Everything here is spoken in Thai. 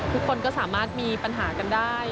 ทุกคนก็สามารถมีปัญหากันได้